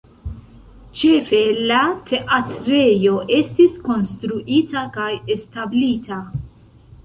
Ĉefe la teatrejo estis konstruita kaj establita.